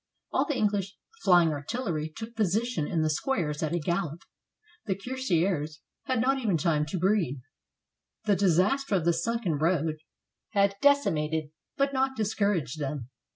All the English flying artillery took position in the squares at a gallop. The cuirassiers had not even time to breathe. The disaster of the sunken road had deci mated but not discouraged them.